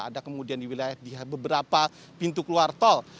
ada kemudian di beberapa pintu keluar tol